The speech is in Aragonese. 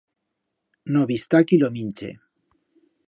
No bi'stá qui lo minche.